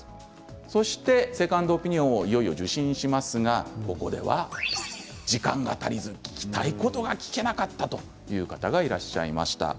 そしてセカンドオピニオンをいよいよ受診しますが、ここでは時間が足りず聞きたいことが聞けなかったという方がいらっしゃいました。